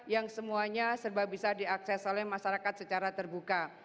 yang semuanya serba bisa diakses oleh masyarakat secara terbuka